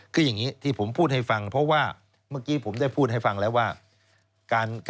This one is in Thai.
คืออย่างนี้ที่ผมพูดให้ฟังเพราะว่าเมื่อกี้ผมได้พูดให้ฟังแล้วว่า